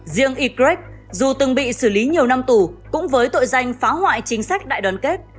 riêng ygrec dù từng bị xử lý nhiều năm tù cũng với tội danh phá hoại chính sách đại đoàn kết